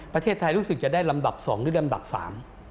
ประเทศไทยรู้สึกจะได้ลำดับสองหรือลำดับสาม